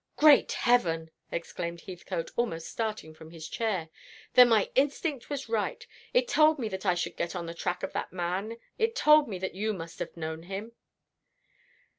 "Great Heaven!" exclaimed Heathcote, almost starting from his chair. "Then my instinct was right. It told me that I should get on the track of that man it told me that you must have known him."